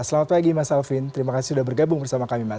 selamat pagi mas alvin terima kasih sudah bergabung bersama kami mas